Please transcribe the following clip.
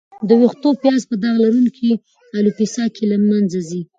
د وېښتو پیاز په داغ لرونکې الوپیسیا کې له منځه ځي.